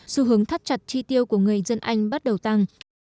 xu hướng thắt chặt chi tiêu của người dân anh bắt đầu tăng